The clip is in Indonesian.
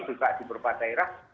juga di beberapa daerah